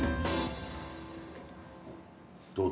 どう？